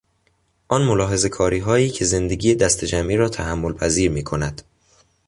آن ملاحظهکاریهایی که زندگی دستهجمعی را تحملپذیر میکند